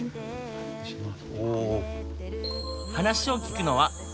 お願いします。